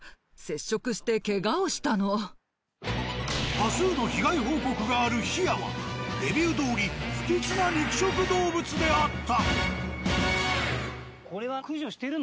多数の被害報告があるヒヤはレビューどおり不吉な肉食動物であった。